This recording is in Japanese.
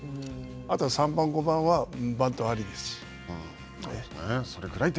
あとは３番、５番は、バントありです。